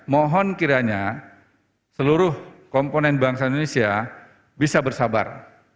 mohon kiranya seluruh komponen bangsa indonesia bisa bersabar